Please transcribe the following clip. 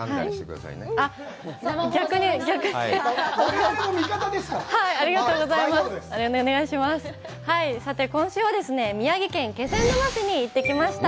さて今週は宮城県気仙沼市に行ってきました。